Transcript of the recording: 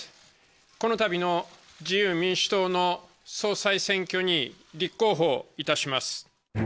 このたびの自由民主党の総裁選挙に立候補いたします。